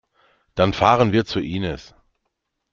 Dann fahren wir zu Inis.